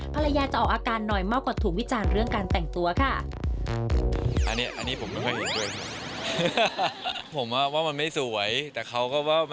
ภรรยาจะออกอาการหน่อยมากกว่าถูกวิจารณ์เรื่องการแต่งตัวค่ะ